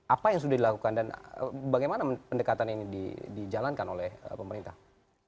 apa yang sudah dilakukan dan bagaimana pendekatan ini dijalankan oleh pemerintah